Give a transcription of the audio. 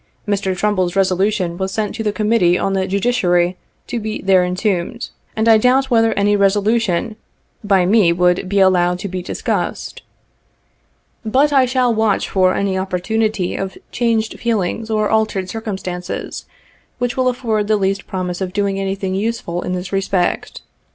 Mr. Trumbull's resolution was sent to the committee on the judiciary to be there entombed, and I doubt whether any resolu tion by me would be allowed to be discussed. But I shall watch for 73 any opportunity of changed feelings or altered circumstances, which will afford the least promise of doing anything useful in this respect. Mr.